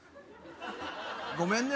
ごめんね